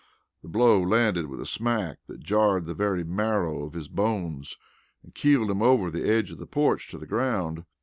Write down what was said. The blow landed with a smack that jarred the very marrow of his bones and keeled him over the edge of the porch to the ground.